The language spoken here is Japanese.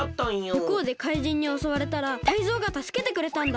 むこうでかいじんにおそわれたらタイゾウがたすけてくれたんだ。